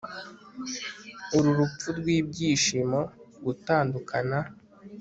uru rupfu rwibyishimo .... gutandukana